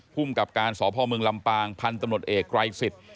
ภูมิกับการสพเมืองลำปางพันธุ์ตำรวจเอกไกรสิทธิ์